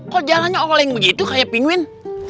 kok jalannya orang yang begitu kayak pinguin